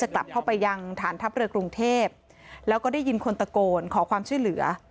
กลับเข้าไปยังฐานทัพเรือกรุงเทพแล้วก็ได้ยินคนตะโกนขอความช่วยเหลือ